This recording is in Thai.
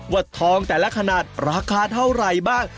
ทองแต่ละขนาดราคาเท่าไหร่บ้าง